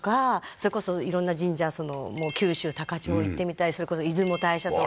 それこそ色んな神社九州高千穂行ってみたいそれこそ出雲大社とか。